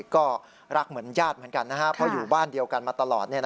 ก็รักเหมือนญาติเหมือนกันนะครับเพราะอยู่บ้านเดียวกันมาตลอด